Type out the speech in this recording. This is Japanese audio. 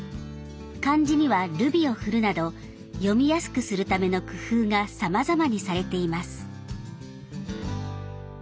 漢字にはルビを振るなど読みやすくするための工夫がさまざまにされています。